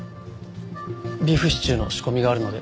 ビーフシチューの仕込みがあるので。